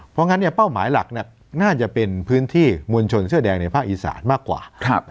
เพราะงั้นเป้าหมายหลักน่าจะเป็นพื้นที่มวลชนเสื้อแดงในภาคอีสานมากกว่า